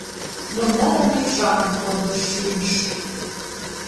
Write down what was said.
Йомдарыме ӱшаным кондыш шӱмыш.